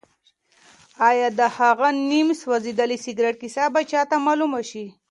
ایا د هغه نیم سوځېدلي سګرټ کیسه به چا ته معلومه شي؟